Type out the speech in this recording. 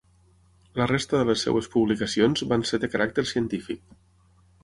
La resta de les seves publicacions van ser de caràcter científic.